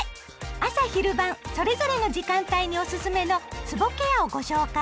朝・昼・晩それぞれの時間帯におすすめのつぼケアをご紹介。